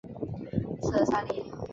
色萨利。